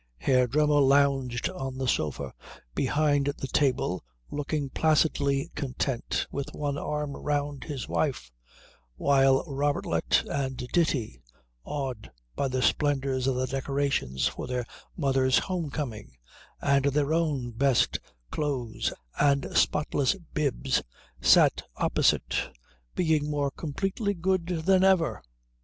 Herr Dremmel lounged on the sofa behind the table looking placidly content, with one arm round his wife, while Robertlet and Ditti, awed by the splendours of the decorations for their mother's home coming and their own best clothes and spotless bibs, sat opposite, being more completely good than ever.